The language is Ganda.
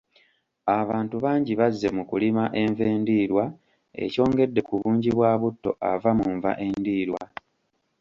Abantu bangi bazze mu kulima enva endiirwa ekyongedde ku bungi bwa butto ava mu nva endiirwa.